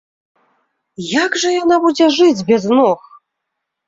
Як жа яна будзе жыць без ног?!